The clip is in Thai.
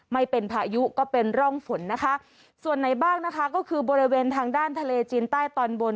ไม่เป็นพายุก็เป็นร่องฝนนะคะส่วนไหนบ้างนะคะก็คือบริเวณทางด้านทะเลจีนใต้ตอนบน